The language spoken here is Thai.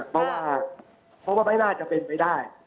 เพราะว่าไม่น่าจะเป็นไปได้